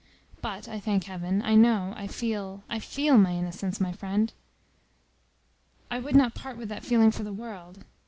But, I thank Heaven, I know, I feel I feel my innocence, my friend; and I would not part with that feeling for the world.